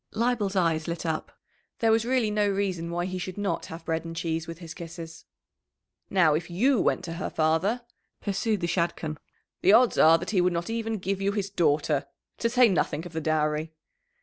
Leibel's eyes lit up. There was really no reason why he should not have bread and cheese with his kisses. "Now, if you went to her father," pursued the Shadchan, "the odds are that he would not even give you his daughter to say nothing of the dowry.